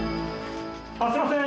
あっすいません。